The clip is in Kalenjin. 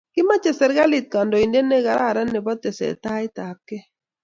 Kimoche serkalit kandoindet ne kararan and nebo tesetait abkei